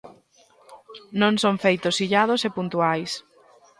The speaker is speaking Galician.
Non son feitos illados e puntuais.